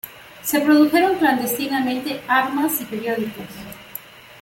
Se produjeron clandestinamente armas y periódicos.